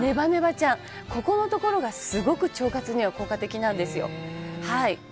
「ここのところがすごく腸活には効果的なんですよはい」